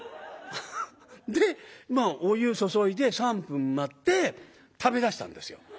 でお湯注いで３分待って食べだしたんですよ。